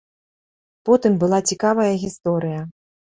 Потым была цікавая гісторыя.